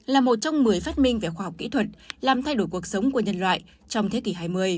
là một trong một mươi phát minh về khoa học kỹ thuật làm thay đổi cuộc sống của nhân loại trong thế kỷ hai mươi